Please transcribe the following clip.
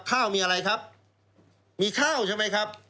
ข้าวมีอะไรครับมีข้าวใช่ไหมครับ